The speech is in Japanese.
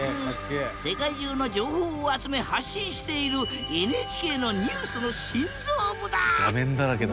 世界中の情報を集め発信しているＮＨＫのニュースの心臓部だ！